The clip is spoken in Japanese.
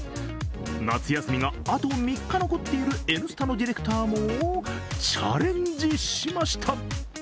夏休みがあと３日残っている「Ｎスタ」のディレクターもチャレンジしました。